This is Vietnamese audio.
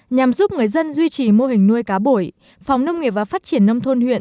nhằm giúp người dân duy trì mô hình nuôi cá bổi phòng nông nghiệp và phát triển nông thôn huyện